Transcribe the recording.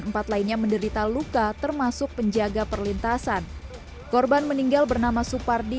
empat lainnya menderita luka termasuk penjaga perlintasan korban meninggal bernama supardi